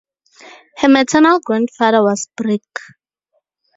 Her maternal grandfather was Brig.